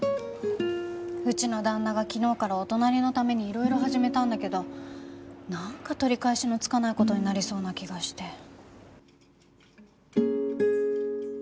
うちの旦那が昨日からお隣のためにいろいろ始めたんだけどなんか取り返しのつかない事になりそうな気がして。